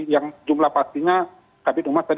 yang jumlah pastinya kapitun umat tadi